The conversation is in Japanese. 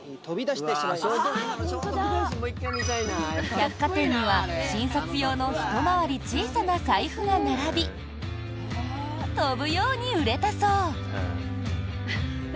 百貨店には、新札用のひと回り小さな財布が並び飛ぶように売れたそう。